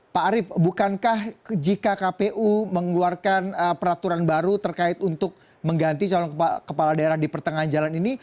pak arief bukankah jika kpu mengeluarkan peraturan baru terkait untuk mengganti calon kepala daerah di pertengahan jalan ini